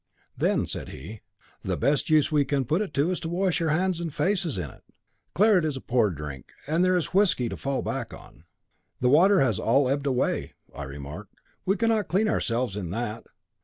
"Then," said he, "the best use we can put it to is to wash our faces and hands in it. Claret is poor drink, and there is the whisky to fall back on." "The water has all ebbed away," I remarked "We cannot clean ourselves in that."